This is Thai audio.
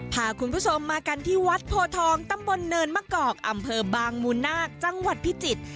พาคุณผู้ชมมากันที่วัดโพทองตำบลเนินมะกอกอำเภอบางมูนาคจังหวัดพิจิตร